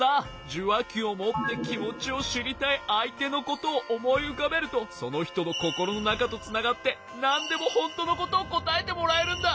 じゅわきをもってきもちをしりたいあいてのことをおもいうかべるとそのひとのココロのなかとつながってなんでもほんとのことをこたえてもらえるんだ。